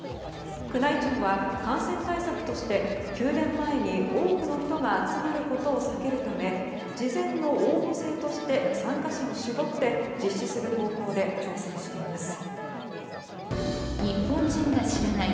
宮内庁は感染対策として宮殿前に多くの人が集まることを避けるため事前の応募制として参加者を絞って実施する方向で調整しています。